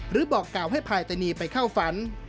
บอกกล่าวให้พายตานีไปเข้าฝัน